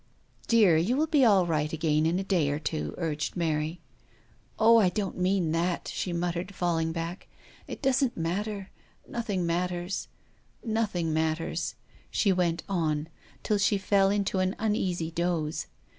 *" Dear, you will be all right again in a day or two," urged Mary. " Oh ! I don't mean that," she muttered, tossing over, "It doesn't matter; nothing matters, nothing matters," she went on mut tering, till she fell into an uneasy doze.